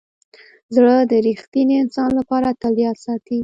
زړه د ریښتیني انسان لپاره تل یاد ساتي.